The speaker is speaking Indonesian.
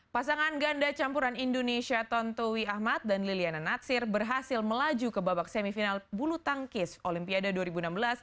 pasangan ganda campuran indonesia tontowi ahmad dan liliana natsir berhasil melaju ke babak semifinal bulu tangkis olimpiade dua ribu enam belas